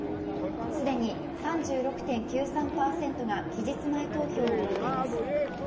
既に３６．９３％が期日前投票を終えています。